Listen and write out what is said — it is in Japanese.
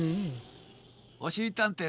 おしりたんていさん。